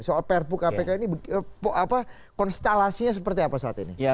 soal perpu kpk ini konstelasinya seperti apa saat ini